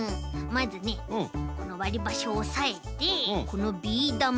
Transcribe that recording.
まずねこのわりばしをおさえてこのビーだまを。